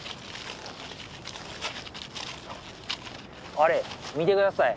あれ見て下さい。